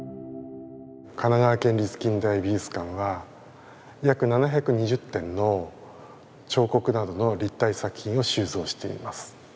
神奈川県立近代美術館は約７２０点の彫刻などの立体作品を収蔵しています。